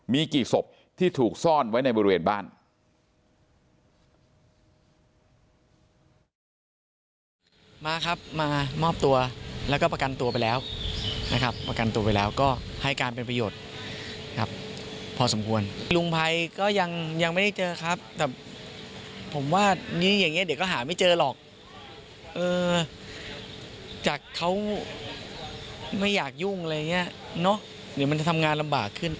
มีกี่ศพที่ถูกซ่อนไว้ในบริเวณบ้าน